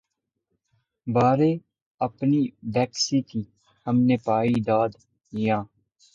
بارے‘ اپنی بیکسی کی ہم نے پائی داد‘ یاں